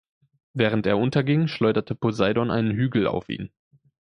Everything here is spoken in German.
Während er unterging, schleuderte Poseidon einen Hügel auf ihn.